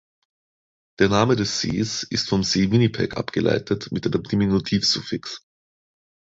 Der Name des Sees ist vom See Winnipeg abgeleitet mit einem Diminutiv-Suffix.